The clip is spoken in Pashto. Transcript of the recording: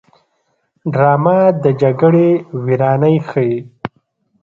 ډرامه د جګړې ویرانۍ ښيي